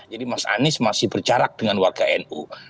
jadi mas anies masih berjarak dengan warga nu